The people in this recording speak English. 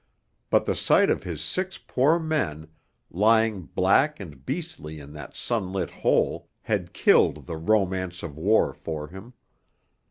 But the sight of his six poor men, lying black and beastly in that sunlit hole, had killed the 'Romance of War' for him.